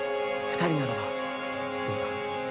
二人ならばどうだ？